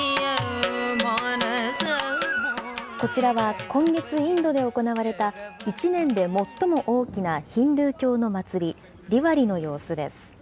こちらは、今月、インドで行われた１年で最も大きなヒンドゥー教の祭り、ディワリの様子です。